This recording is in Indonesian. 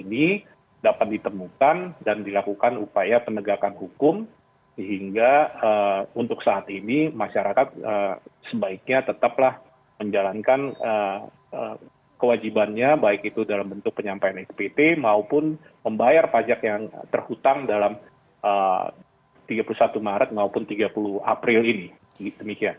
hal ini dapat ditemukan dan dilakukan upaya penegakan hukum sehingga untuk saat ini masyarakat sebaiknya tetaplah menjalankan kewajibannya baik itu dalam bentuk penyampaian spt maupun membayar pajak yang terhutang dalam tiga puluh satu maret maupun tiga puluh april ini